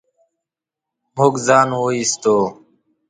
موږ ځان و ايستو.